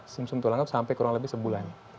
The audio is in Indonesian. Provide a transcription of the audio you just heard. sum sum tulang itu sampai kurang lebih sebulan